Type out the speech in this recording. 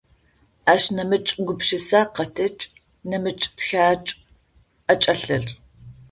Ащ нэмыкӏ гупшысэ къэтыкӏ, нэмыкӏ тхакӏ ӏэкӏэлъыр.